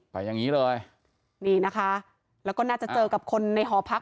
อย่างนี้เลยนี่นะคะแล้วก็น่าจะเจอกับคนในหอพัก